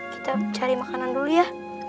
kita cari makanan dulu ya